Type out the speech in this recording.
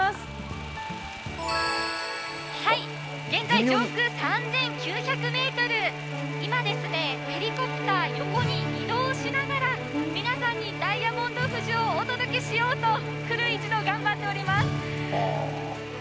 現在、上空３９００ｍ、今、ヘリコプター、横に移動しながら皆さんにダイヤモンド富士をお届けしようとクルー一同頑張っております。